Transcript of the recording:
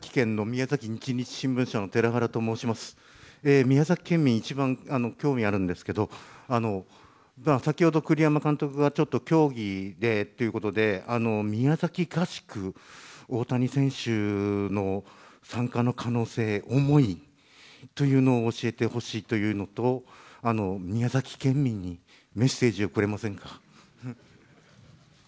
宮崎県民、一番興味あるんですけど、先ほど栗山監督がちょっときょうぎでっていうことで、宮崎合宿、大谷選手の参加の可能性、思いというのを教えてほしいというのと、宮崎県民にメッセージをくれませんか。